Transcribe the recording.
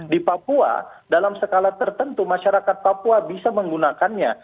di papua dalam skala tertentu masyarakat papua bisa menggunakannya